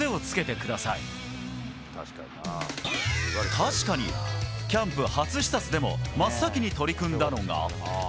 確かに、キャンプ初視察でも真っ先に取り組んだのが。